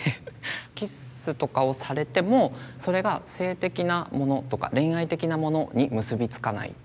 キスとかをされてもそれが性的なものとか恋愛的なものに結び付かない。